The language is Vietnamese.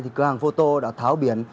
thì cửa hàng photocopy đã tháo biển